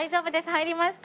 入りました。